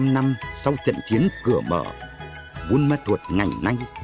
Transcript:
bốn mươi năm năm sau trận chiến cửa mở bôn ma thuột ngành nanh